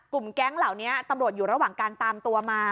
แก๊งเหล่านี้ตำรวจอยู่ระหว่างการตามตัวมา